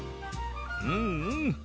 うんうん！